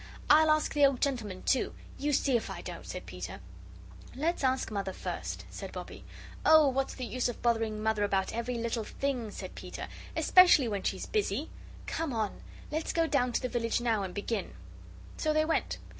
I'll ask the old gentleman too. You see if I don't," said Peter. "Let's ask Mother first," said Bobbie. "Oh, what's the use of bothering Mother about every little thing?" said Peter, "especially when she's busy. Come on. Let's go down to the village now and begin." So they went.